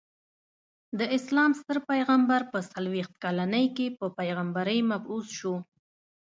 د اسلام ستر پيغمبر په څلويښت کلني کي په پيغمبری مبعوث سو.